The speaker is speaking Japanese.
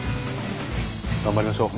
頑張りましょう。